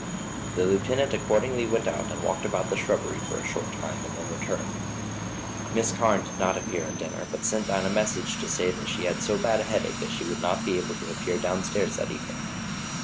The lieutenant accordingly went out and walked about the shrubbery for a short time, and then returned. Miss Carne did not appear at dinner, but sent down a message to say that she had so bad a headache she would not be able to appear downstairs that evening.